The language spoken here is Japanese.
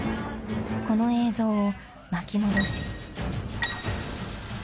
［この映像を巻き戻し］